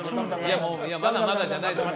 いやもうまだまだじゃないです